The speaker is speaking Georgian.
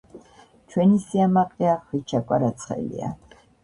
ჩვენი სიამაყეა ხვიჩა კვარაცხელია